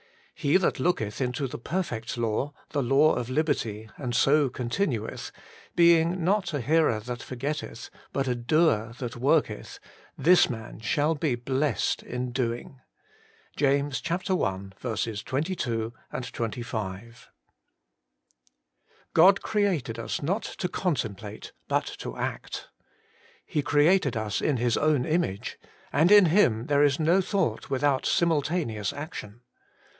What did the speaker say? He that looketh into the perfect law, the law of liberty, and so con tinueth, being not a hearer that forgetteth, but a doer that worketh, this man shall be blessed in doing.' — Jas. i. 22, 25. i r^ OD created us not to contemplate ^^ but to act. He created us in His own image, and in Him there is no Thought without simultaneous Action.'